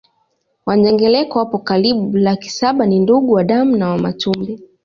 Wandengereko wapo karibu laki saba ni ndugu wa damu na Wamatumbi